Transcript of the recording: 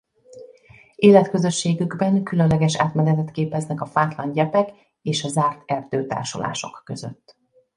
Életközösségükben különleges átmenetet képeznek a fátlan gyepek és a zárt erdőtársulások között.